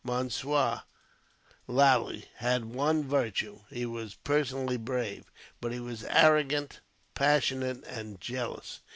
Monsieur Lally had one virtue. He was personally brave; but he was arrogant, passionate, and jealous.